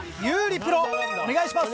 プロお願いします。